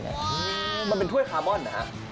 มันเป็นถ้วยคาร์บอนนะฮะ